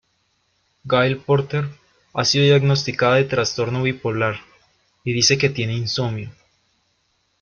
Gail Porter ha sido diagnosticada de trastorno bipolar, y dice que tiene insomnio.